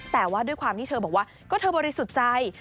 แต่ว่าด้วยความที่เธอบอกว่าก็เธอบริสุทธิ์ใจ